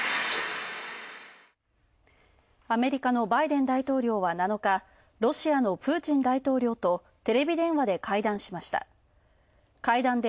アメリカのバイデン大統領は、７日、ロシアのプーチン大統領とテレビ電話で会談しました。